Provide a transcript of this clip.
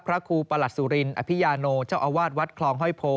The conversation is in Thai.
พระครูประหลัดสุรินอภิยาโนเจ้าอาวาสวัดคลองห้อยโพ